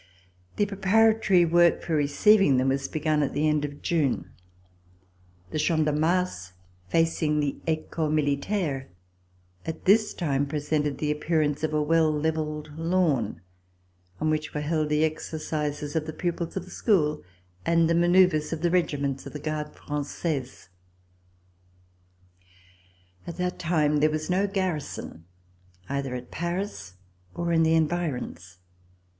The preparatory work for receiving them was begun at the end of June. The Champ de Mars, facing the Ecole Militaire, at this time pre sented the appearance of a well levelled lawn, on which were held the exercises of the pupils of the school and the manoeuvres of the regiments of the Gardes Fran^aises. At that time there was no garrison, either at Paris or in the environs.